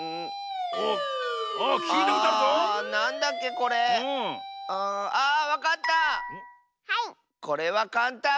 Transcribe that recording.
これはかんたん！